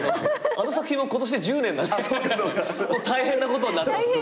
あの作品も今年で１０年なんで大変なことになってます。